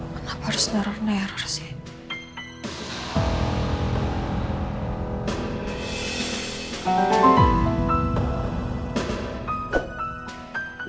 kenapa harus nerok neror sih